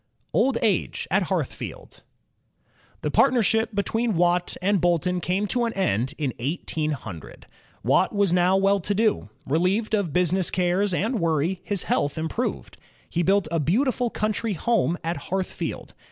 Old Age at Heartkfield The partnership between Watt and Boulton came to an end in 1800. Watt was now well to do. Relieved of business cares and worry his health improved. He built a beautiful coimtry home at Hearthfield.